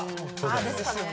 ですかね。